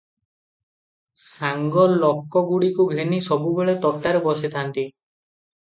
ସାଙ୍ଗ ଲୋକଗୁଡ଼ିଙ୍କୁ ଘେନି ସବୁବେଳେ ତୋଟାରେ ବସିଥାନ୍ତି ।